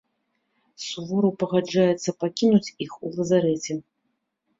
Сувораў пагаджаецца пакінуць іх у лазарэце.